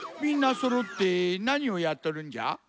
みんなそろってなにをやっとるんじゃ？